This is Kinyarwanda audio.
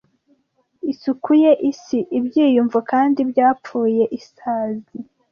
Isukuye isi, ibyiyumvo kandi byapfuye; isazi